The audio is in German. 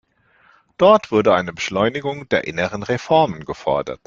Dort wurde eine Beschleunigung der inneren Reformen gefordert.